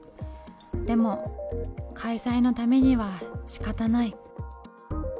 でも開催のためにはしかたない。